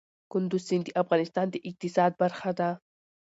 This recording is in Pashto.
کندز سیند د افغانستان د اقتصاد برخه ده.